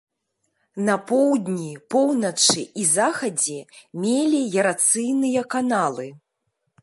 На поўдні, поўначы і захадзе меліярацыйныя каналы.